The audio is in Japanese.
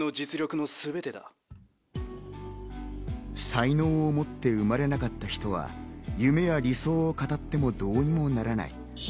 才能を持って生まれなかった人は夢や理想を語ってもどうにもならない。